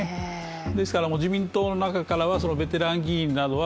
ですから自民党の中からはベテラン議員などは